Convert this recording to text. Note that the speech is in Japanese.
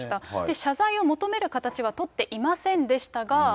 謝罪を求める形は取っていませんでしたが。